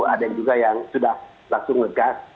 ada juga yang sudah langsung ngegas